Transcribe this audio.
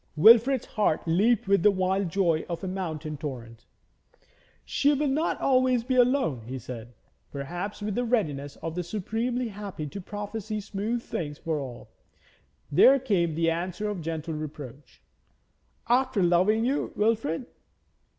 Wilfrid's heart leaped with the wild joy of a mountain torrent. 'She will not always be alone,' he said, perhaps with the readiness of the supremely happy to prophesy smooth things for all. There came the answer of gentle reproach: 'After loving you, Wilfrid?'